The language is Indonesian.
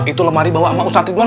itu lemari bawa sama ustadz hidung